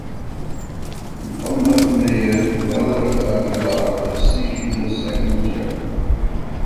Incumbent mayor Imelda Aguilar is seeking her second term.